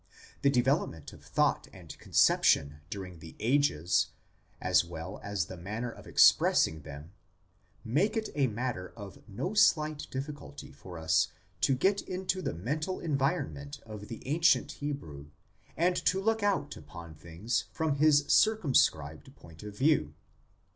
The development of thought and conception during the ages, as well as the manner of expressing them, make it a matter of no slight difficulty for us to get into the mental environment of the ancient Hebrew and to look out upon things from his circumscribed point of view.